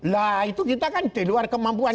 lah itu kita kan di luar kemampuan